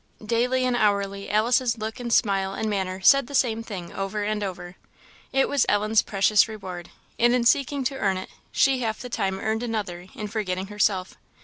Daily and hourly Alice's look and smile and manner said the same thing over and over. It was Ellen's precious reward, and in seeking to earn it, she half the time earned another in forgetting herself.